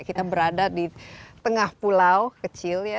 kita berada di tengah pulau kecil ya